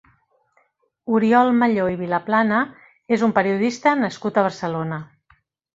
Oriol Malló i Vilaplana és un periodista nascut a Barcelona.